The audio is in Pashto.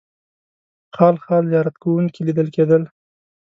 خال خال زیارت کوونکي لیدل کېدل.